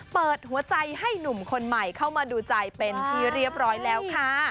เปิดหัวใจให้หนุ่มคนใหม่เข้ามาดูใจเป็นที่เรียบร้อยแล้วค่ะ